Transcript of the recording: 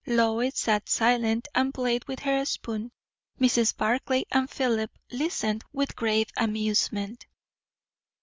Lois sat silent and played with her spoon. Mrs. Barclay and Philip listened with grave amusement.